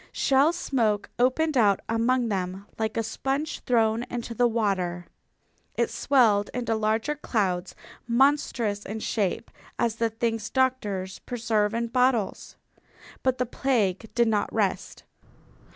Shell smoke opened out among them like a sponge thrown into the water. It swelled into larger clouds monstrous in shape as the things doctors preserve in bottles. But the plague did not rest.